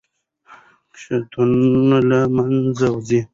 کښتونه له منځه ځي.